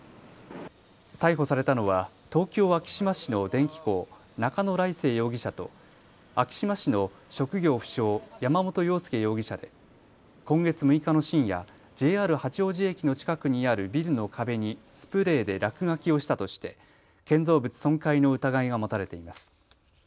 逮捕されたのは東京昭島市の電気工、中野礼誠容疑者と昭島市の職業不詳、山本陽介容疑者で今月６日の深夜、ＪＲ八王子駅の近くにあるビルの壁にスプレーで落書きをしたとして建造物損壊の疑いが持たれています。